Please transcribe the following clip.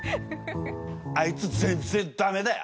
あいつ全然駄目だよ。